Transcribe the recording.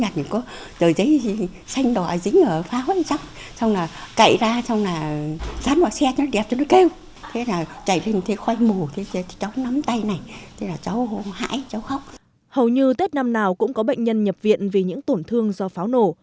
hầu như tết năm nào cũng có bệnh nhân nhập viện vì những tổn thương do pháo nổ